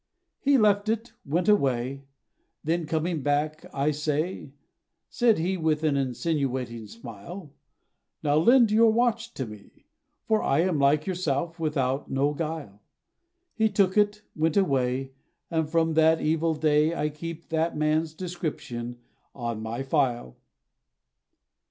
He left it, went away Then coming back, "I say," Said he, with an insinuating smile, "Now lend your watch to me, For I am like yourself without no guile," He took it, went away, And from that evil day, I keep that man's description on my file.